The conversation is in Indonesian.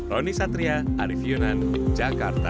roni satria arief yunan jakarta